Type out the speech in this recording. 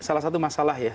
dan salah satu masalah ya